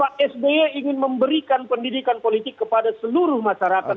pak sby ingin memberikan pendidikan politik kepada seluruh masyarakat